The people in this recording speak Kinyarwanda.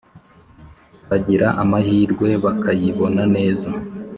bagira amahirwe bakayibona neza